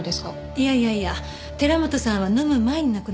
いやいやいや寺本さんは飲む前に亡くなってるの。